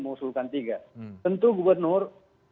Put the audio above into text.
mengusulkan tiga tentu gubernur